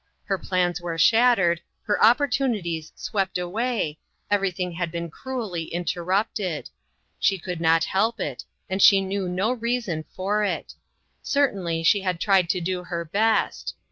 Her plans were shat tered, her opportunities swept away, every thing had been cruelly interrupted ; she could not help it, and she knew no reason for it; certainly she had tried to do her best.